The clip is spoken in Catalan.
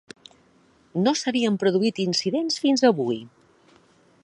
No s’havien produït incidents fins avui.